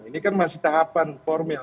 ini kan masih tahapan formil